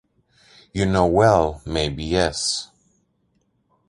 You know well, maybe yes